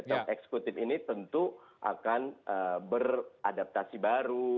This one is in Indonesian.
top executive ini tentu akan beradaptasi baru